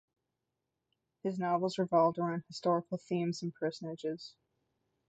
His novels revolved around Historical themes and personages.